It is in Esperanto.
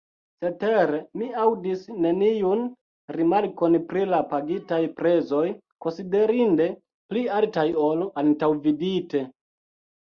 Cetere, mi aŭdis neniun rimarkon pri la pagitaj prezoj, konsiderinde pli altaj ol antaŭvidite.